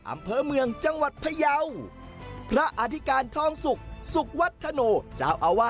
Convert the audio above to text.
อำเภอเมืองจังหวัดพยาว